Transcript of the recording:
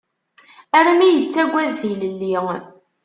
Armi yettaggad tilelli.